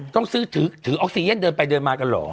ต้องซื้อถือออกซีเย็นเดินไปเดินมากันเหรอ